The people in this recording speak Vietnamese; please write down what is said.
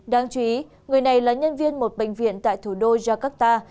đáng chú ý người này là nhân viên một bệnh viện tại thủ đô jakarta